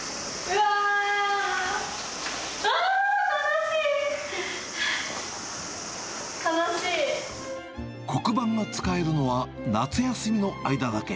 あー、黒板が使えるのは、夏休みの間だけ。